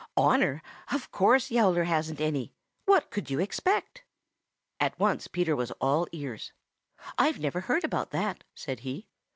Honor! Of course Yowler hasn't any. What could you expect?" At once Peter was all ears. "I've never heard about that," said he.